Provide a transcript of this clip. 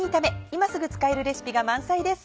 今すぐ使えるレシピが満載です。